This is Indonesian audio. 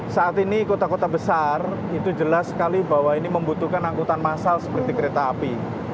saat ini kota kota besar itu jelas sekali bahwa ini membutuhkan angkutan massal seperti kereta api